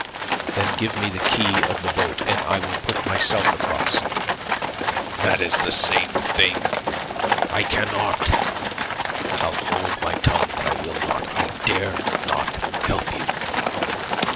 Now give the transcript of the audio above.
"Then give me the key of the boat, and I will put myself across." "That is the same thing. I cannot. I'll hold my tongue, but I will not I dare not help you."